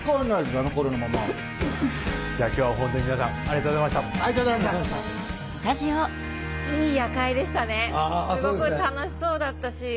すごく楽しそうだったし。